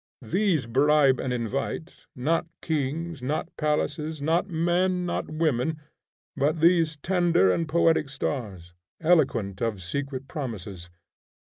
These bribe and invite; not kings, not palaces, not men, not women, but these tender and poetic stars, eloquent of secret promises.